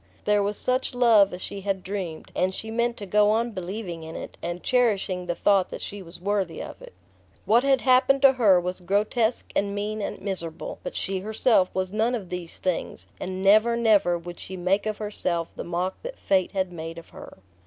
There was such love as she had dreamed, and she meant to go on believing in it, and cherishing the thought that she was worthy of it. What had happened to her was grotesque and mean and miserable; but she herself was none of these things, and never, never would she make of herself the mock that fate had made of her...